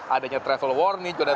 adanya travel warning